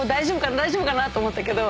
大丈夫かな？と思ったけど。